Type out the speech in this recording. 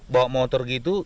bawa motor gitu